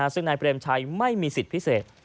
ซึ่งนายเปรมชัยไม่มีสิทธิ์พิเศษ